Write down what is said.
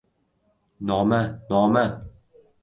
— Noma, noma!